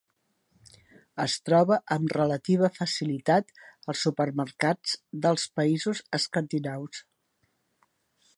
Es troba amb relativa facilitat als supermercats dels països escandinaus.